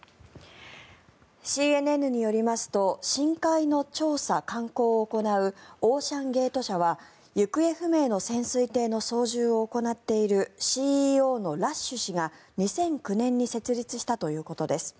ＣＮＮによりますと深海の調査・観光を行うオーシャン・ゲート社は行方不明の潜水艇の操縦を行っているＣＥＯのラッシュ氏が２００９年に設立したということです。